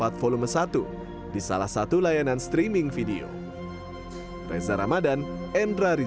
dan menarik pameran yang menarik